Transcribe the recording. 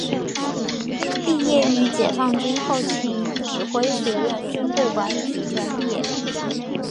毕业于解放军后勤指挥学院军队管理学专业。